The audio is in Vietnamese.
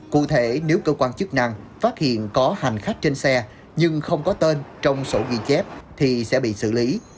cụ thể nếu cơ quan chức năng phát hiện có hành khách trên xe nhưng không có tên trong sổ ghi chép thì sẽ bị xử lý